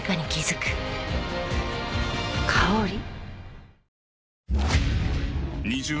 香り。